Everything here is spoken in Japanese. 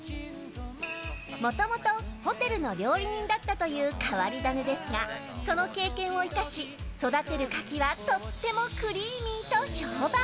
もともとホテルの料理人だったという変わり種ですがその経験を生かし育てるカキはとってもクリーミーと評判。